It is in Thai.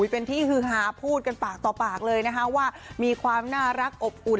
เป็นที่ฮือหาพูดกันปากต่อปากเลยนะคะว่ามีความน่ารักอบอุ่น